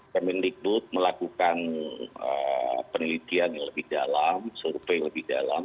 kemendikbud melakukan penelitian yang lebih dalam survei lebih dalam